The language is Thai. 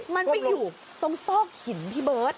มันไปอยู่ตรงซอกหินพี่เบิร์ต